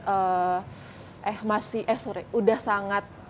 eh masih eh sorry udah sangat